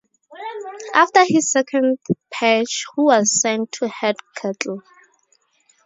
After his second purge, Hu was sent to herd cattle.